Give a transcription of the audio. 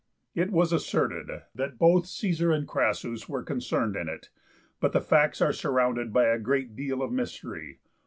It was asserted that both Caesar and Crassus were concerned in it, but the facts are surrounded by a great deal of mystery.